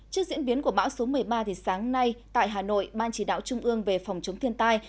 trước diễn biến của bão số một mươi ba sáng nay tại hà nội ban chỉ đạo trung ương về phòng chống thiên tai